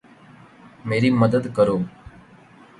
میری مدد کرو